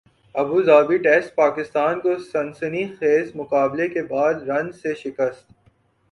ابو Dhabi test Pakistan کو سنسنی خیزمقابلے کے بعد رنز سے شکست